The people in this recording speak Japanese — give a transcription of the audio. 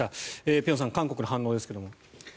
辺さん、韓国の反応ですが。